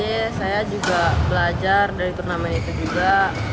kalau dari kemarin bac saya juga belajar dari turnamen itu juga